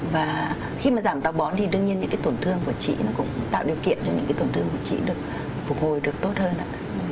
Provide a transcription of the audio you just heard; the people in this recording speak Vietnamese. và khi mà giảm tàu bón thì đương nhiên những cái tổn thương của chị nó cũng tạo điều kiện cho những cái tổn thương của chị được phục hồi được tốt hơn ạ